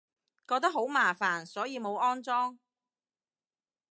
覺得好麻煩，所以冇安裝